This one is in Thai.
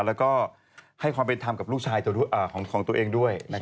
แล้วก็ให้ความเป็นทางกับลูกชายของตัวเองด้วยนะครับ